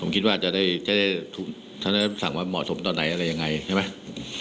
ผมคิดว่าจะได้สั่งมาเหมาะสมตอนไหนอะไรยังไงใช่ไหม